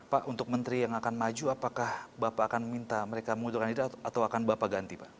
pak untuk menteri yang akan maju apakah bapak akan minta mereka mengundurkan itu atau akan bapak ganti pak